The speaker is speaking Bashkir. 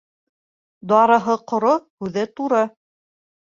Дарыһы ҡоро, һүҙе туры.